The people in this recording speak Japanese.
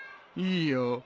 いいよ。